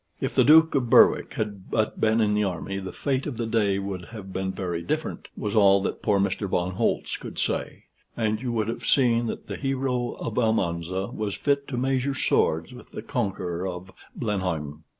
"If the Duke of Berwick had but been in the army, the fate of the day would have been very different," was all that poor Mr. von Holtz could say; "and you would have seen that the hero of Almanza was fit to measure swords with the conqueror of Blenheim."